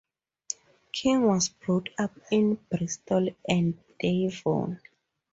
King was brought up in Bristol and Devon.